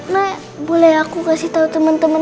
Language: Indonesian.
nek boleh aku kasih tau temen temen